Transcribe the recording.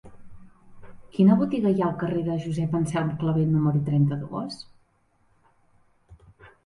Quina botiga hi ha al carrer de Josep Anselm Clavé número trenta-dos?